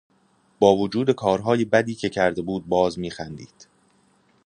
با وجود کارهای بدی که کرده بود باز میخندید.